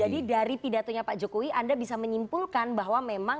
jadi dari pidatunya pak jokowi anda bisa menyimpulkan bahwa memang